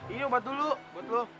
ini uangnya ini uangnya buat lo